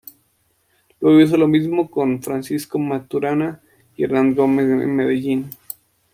Luego hizo lo mismo con Francisco Maturana y Hernán Gómez en Medellín.